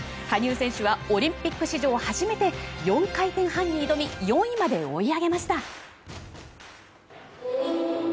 羽生選手はオリンピック史上初めて４回転アクセルを跳び４位まで追い上げました。